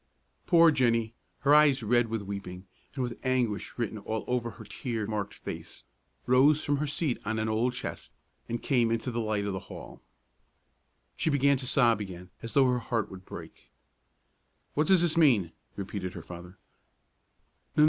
Poor Jennie, her eyes red with weeping and with anguish written all over her tear marked face, rose from her seat on an old chest, and came into the light of the hall. She began to sob again as though her heart would break. "What does this mean?" repeated her father.